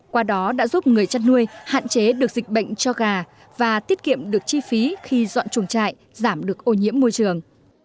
qua đó đã giúp người chăn nuôi hạn chế được dịch bệnh cho gà và tiết kiệm được chi phí khi dọn chuồng trại giảm được ô nhiễm môi trường